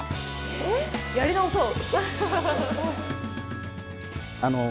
やり直そう。